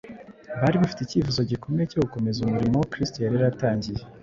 Bari bafite icyifuzo gikomeye cyo gukomeza umurimo Kristo yari yaratangiye.